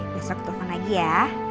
besok telfon lagi ya